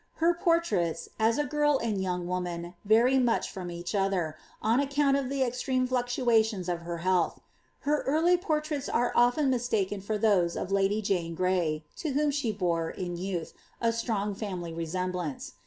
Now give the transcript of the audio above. Her portraits, as a girl and young wo man, vary much from each other, on account of the extreme fluctuations of her health ; her early portraits are often mistaken for those of lady Jane Gray, to whom she bore, in youth, a strong family resemblance.